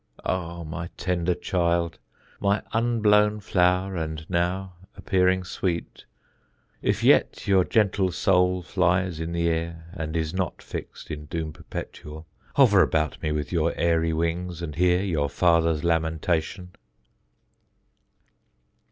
Ah my tender child, My unblown flower and now appearing sweet, If yet your gentle soul flys in the air And is not fixt in doom perpetual, Hover about me with your airy wings And hear your Father's lamentation.